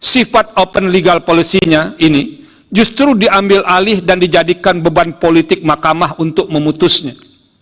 sifat open legal policy nya ini justru diambil alih dan dijadikan beban politik makamah untuk memutusnya